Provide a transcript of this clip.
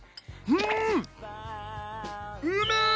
うん。